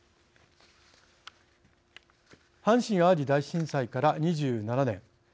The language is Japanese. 阪神・淡路大震災から２７年。